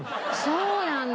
そうなんだ！